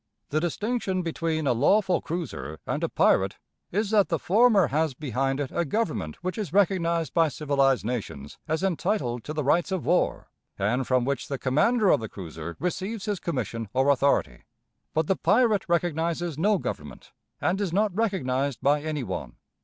The distinction between a lawful cruiser and a pirate is that the former has behind it a government which is recognized by civilized nations as entitled to the rights of war, and from which the commander of the cruiser receives his commission or authority, but the pirate recognizes no government, and is not recognized by any one.